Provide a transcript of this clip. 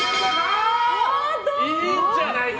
いいんじゃないか？